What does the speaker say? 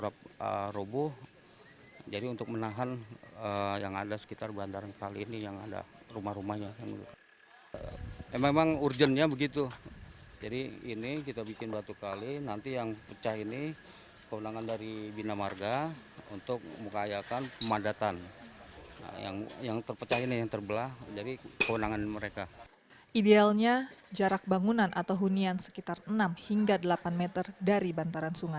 pembaikan atau penanganan darurat yang kita kerjakan ini dimungkinkan atau diupayakan agar tidak terjadi keretakan atau amblasnya